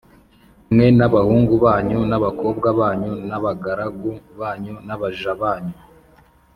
mwe n abahungu banyu n abakobwa banyu n abagaragu banyu n abaja banyu